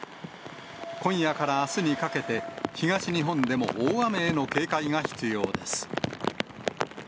今夜からあすにかけて、東日本でも大雨への警戒が必要です。